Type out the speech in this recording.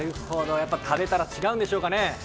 食べたら違うんでしょうかね。